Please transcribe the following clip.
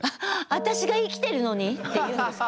「私が生きてるのに？」って言うんですよ。